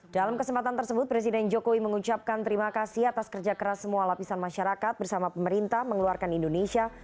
dalam kesempatan tersebut presiden jokowi mengucapkan terima kasih atas kerja keras semua lapisan masyarakat bersama pemerintah mengeluarkan indonesia